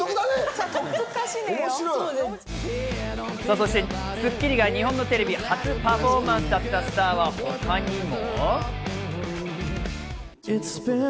そして『スッキリ』が日本のテレビ初パフォーマンスだったスターは他にも！